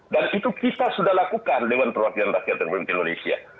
dan itu kita sudah lakukan dewan perwakilan rakyat dan bumim indonesia